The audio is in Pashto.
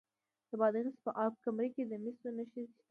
د بادغیس په اب کمري کې د مسو نښې شته.